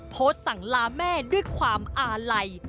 โพสต์สั่งลาแม่ด้วยความอาลัย